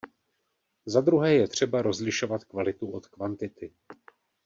Za druhé je třeba rozlišovat kvalitu od kvantity.